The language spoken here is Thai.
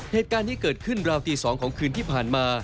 เหตุการณ์ที่เกิดขึ้นราวตี๒ของคืนที่ผ่านมา